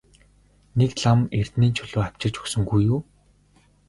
Нэг лам эрдэнийн чулуу авчирч өгсөнгүй юу?